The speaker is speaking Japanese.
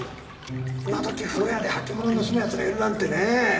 今時風呂屋で履き物盗む奴がいるなんてね。